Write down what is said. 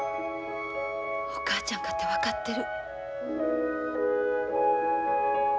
お母ちゃんかて分かってる。